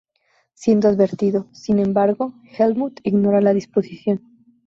Siendo advertido, sin embargo, Helmut ignora la disposición.